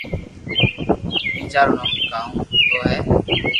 ٻيجا رو ڪاونو ھي